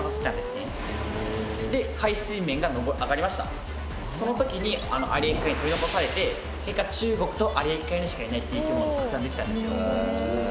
「昔々」「その時に有明海に取り残されて結果中国と有明海にしかいないっていう生き物がたくさんできたんですよ」